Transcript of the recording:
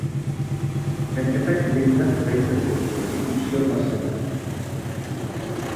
Ikerketak irekita jarraitzen du, eta instrukzio-fasean dago.